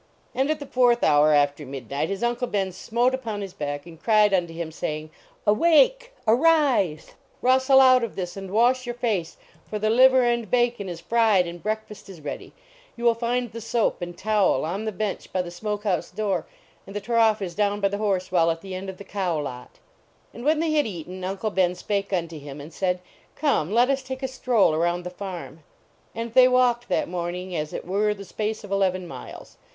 And at the fourth hour after midnight, his Uncle Ben smote upon his back, and cried unto him, saying: "Awake! Arise! Rustic out of this and wash your face, for the liver and bacon is 190 . And irhen Ihcii ha<l nil fh> fun tf, ,/i ,,,,/ 11 affair*, thrj/ lalkra y,.,///. . I, I .^, r.".) TIIK VACATION OF MUSTAPHA fried and breakfast is read) . You will find the soap and towel on the bench by the smoke house door, and the trough is down by the horse well at the end of the cow lot." And when they had eaten, Uncle Ben spake unto him and said, " Come, let us take a stroll around the farm." And they walked that morning as it were the space of eleven miles.